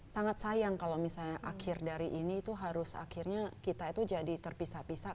sangat sayang kalau misalnya akhir dari ini itu harus akhirnya kita itu jadi terpisah pisah